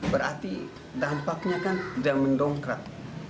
berarti dampaknya kan dia mendongkrat